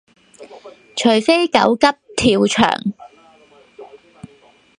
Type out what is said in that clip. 除非狗急跳墻